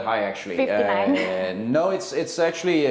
tidak tidak begitu tinggi sebenarnya